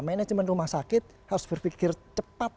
manajemen rumah sakit harus berpikir cepat